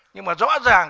nhưng mà rõ ràng